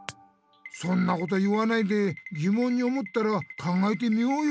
そんなこと言わないでぎもんに思ったら考えてみようよ！